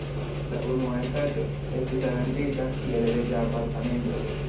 La unua etaĝo estis aranĝita kiel reĝa apartamento.